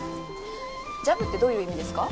ジャブってどういう意味ですか？